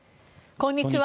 こんにちは。